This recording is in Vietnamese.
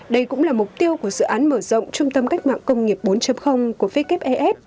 đây cũng là mục tiêu của dự án mở rộng trung tâm cách mạng công nghiệp bốn của wes